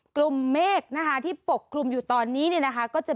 กลุ่มเมฆที่ปกปกกลุ่มอยู่ตอนนี้ก็จะมีกระจ่าย